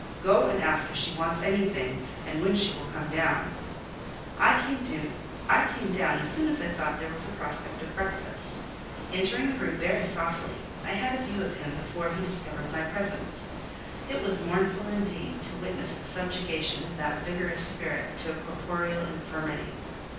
Go and ask if she wants anything; and when she will come down." I came down as soon as I thought there was a prospect of breakfast. Entering the room very softly, I had a view of him before he discovered my presence. It was mournful, indeed, to witness the subjugation of that vigorous spirit to a corporeal infirmity.